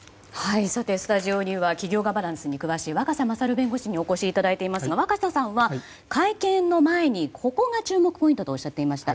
スタジオには企業ガバナンスに詳しい若狭勝弁護士にお越しいただいていますが若狭さんは会見の前にここが注目ポイントとおっしゃっていました。